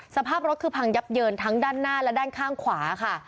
สภาพรถคือพังยับเยินทั้งด้านหน้าและด้านข้างขวาค่ะ